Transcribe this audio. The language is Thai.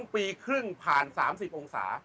๒ปีครึ่งผ่าน๓๐องศา